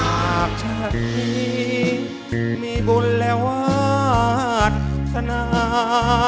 ไอล่าชาติมีบุญและวัฒนา